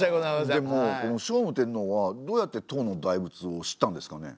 でも聖武天皇はどうやって唐の大仏を知ったんですかね。